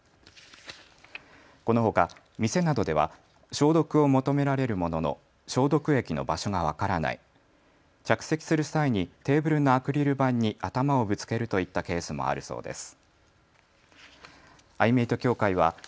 このほか店などでは消毒を求められるものの消毒液の場所が分からない、着席する際にテーブルのアクリル板に頭をぶつけるといったケースもあるそうです。